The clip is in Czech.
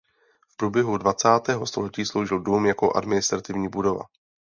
V průběhu dvacátého století sloužil dům jako administrativní budova.